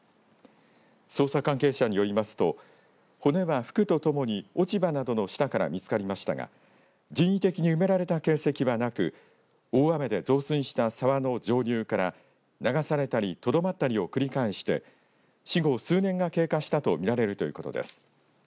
捜査関係者によりますと骨は、服とともに落ち葉などの下から見つかりましたが人為的に埋められた形跡はなく大雨で増水した沢の上流から流されたりとどまったりを繰り返して死後、数年が経過したとみられるということです。